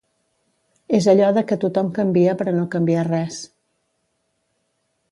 És allò de que tothom canvia per a no canviar res.